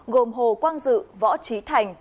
gồm hồ quang dự võ trí thành